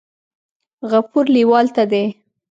غفور لیوال ته دې